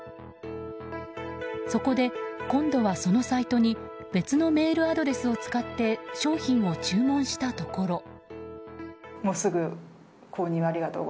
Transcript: そこで今度は、そのサイトに別のメールアドレスを使って商品を注文したところ。